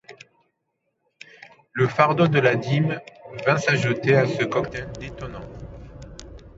Le fardeau de la dîme vint s'ajouter à ce cocktail détonnant.